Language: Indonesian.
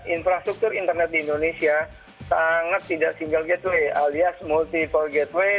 infrastruktur internet di indonesia sangat tidak single gateway alias multi for gateway